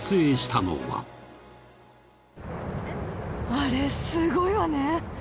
あれすごいわね。